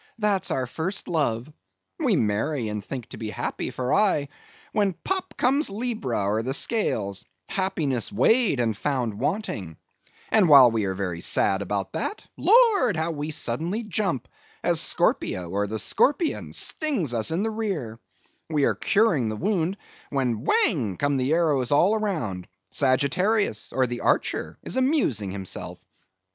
that's our first love; we marry and think to be happy for aye, when pop comes Libra, or the Scales—happiness weighed and found wanting; and while we are very sad about that, Lord! how we suddenly jump, as Scorpio, or the Scorpion, stings us in the rear; we are curing the wound, when whang come the arrows all round; Sagittarius, or the Archer, is amusing himself.